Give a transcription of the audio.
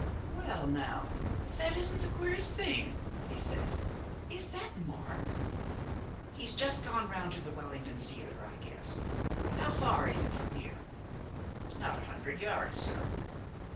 "Well, now, if that isn't the queerest thing!" he said. "Is that Mark? He's just gone round to the Wellington Theater, I guess. How far is it from here?" "Not a hundred yards, sir."